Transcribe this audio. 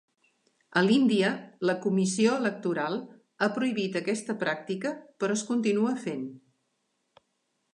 A l'Índia, la Comissió Electoral ha prohibit aquesta pràctica però es continua fent.